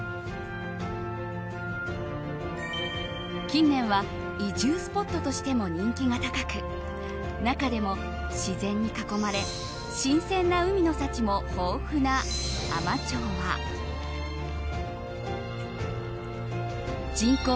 近年は移住スポットとしても人気が高く中でも自然に囲まれ新鮮な海の幸も豊富な海士町は人口